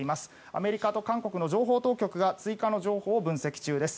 アメリカと韓国の情報当局が追加の情報を分析中です。